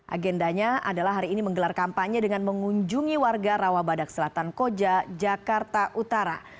agendanya adalah hari ini menggelar kampanye dengan mengunjungi warga rawabadak selatan koja jakarta utara